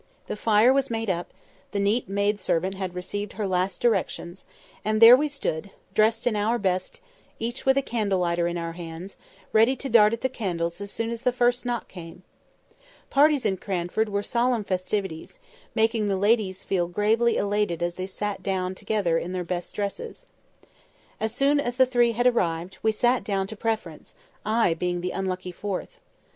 The fire was made up; the neat maid servant had received her last directions; and there we stood, dressed in our best, each with a candle lighter in our hands, ready to dart at the candles as soon as the first knock came. Parties in Cranford were solemn festivities, making the ladies feel gravely elated as they sat together in their best dresses. As soon as three had arrived, we sat down to "Preference," I being the unlucky fourth.